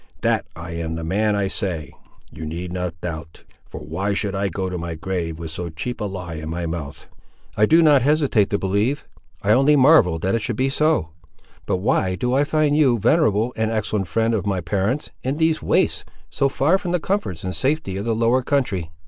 That I am the man I say, you need not doubt; for why should I go to my grave with so cheap a lie in my mouth?" "I do not hesitate to believe; I only marvel that it should be so! But why do I find you, venerable and excellent friend of my parents, in these wastes, so far from the comforts and safety of the lower country?"